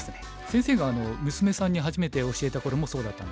先生が娘さんに初めて教えた頃もそうだったんですか？